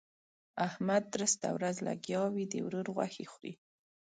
احمد درسته ورځ لګيا وي؛ د ورور غوښې خوري.